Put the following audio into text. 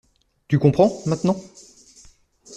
Tu comprends, maintenant?